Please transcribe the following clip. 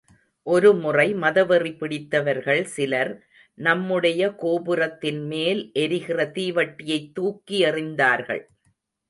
ஒருமுறை மதவெறி பிடித்தவர்கள் சிலர் நம்முடைய கோபுரத்தின்மேல் எரிகிற தீவட்டியைத் தூக்கி எறிந்தார்கள்.